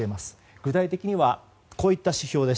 具体的にはこういった指標です。